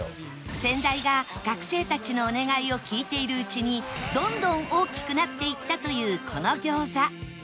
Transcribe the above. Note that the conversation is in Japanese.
先代が学生たちのお願いを聞いているうちにどんどん大きくなっていったというこの餃子